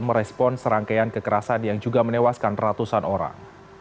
merespon serangkaian kekerasan yang juga menewaskan ratusan orang